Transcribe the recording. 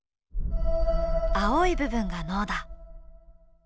青い部分が脳だ。